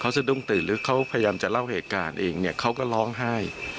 สะดุ้งตื่นหรือเขาพยายามจะเล่าเหตุการณ์เองเนี่ยเขาก็ร้องไห้